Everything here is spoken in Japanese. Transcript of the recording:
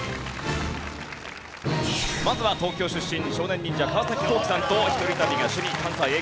まずは東京出身少年忍者川皇輝さんと一人旅が趣味関西Ａぇ！